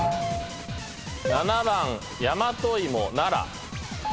７番大和芋奈良。